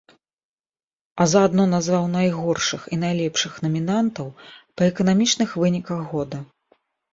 А заадно назваў найгоршых і найлепшых намінантаў па эканамічных выніках года.